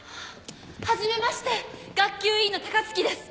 初めまして学級委員の高月です。